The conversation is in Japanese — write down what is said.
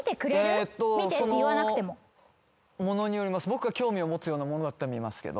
僕が興味を持つようなものだったら見ますけど。